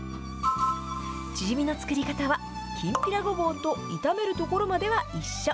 チヂミの作り方は、きんぴらごぼうと炒めるところまでは一緒。